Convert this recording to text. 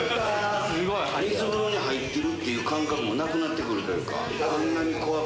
水風呂に入ってるっていう感覚もなくなってくるというか。